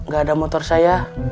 gak ada motor saya